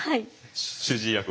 主治医役を。